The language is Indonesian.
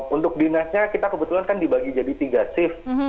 untuk dinasnya kita kebetulan kan dibagi jadi tiga shift